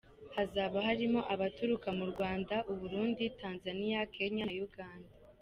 Hazaba harimo abaturuka mu Rwanda, u Burundi, Tanzania, Kenya na Uganda.